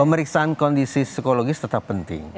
pemeriksaan kondisi psikologis tetap penting